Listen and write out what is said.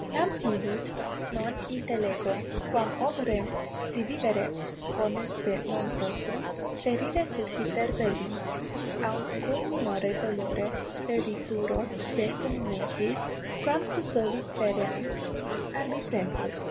Nam illud non intellego, quam ob rem, si vivere honeste non possunt, perire turpiter velint, aut cur minore dolore perituros se cum multis, quam si soli pereant, arbitrentur.